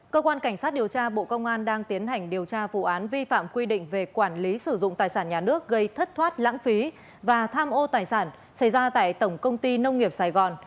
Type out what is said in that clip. cơ quan cảnh sát điều tra bộ công an đang tiến hành điều tra vụ án vi phạm quy định về quản lý sử dụng tài sản nhà nước gây thất thoát lãng phí và tham ô tài sản xảy ra tại tổng công ty nông nghiệp sài gòn